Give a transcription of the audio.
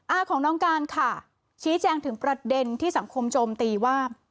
อาของน้องการค่ะชี้แจงถึงประเด็นที่สังคมโจมตีว่า